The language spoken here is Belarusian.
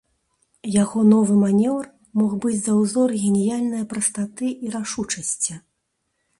Яго новы манеўр мог быць за ўзор геніяльнае прастаты і рашучасці.